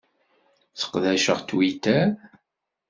Sseqdaceɣ Twitter.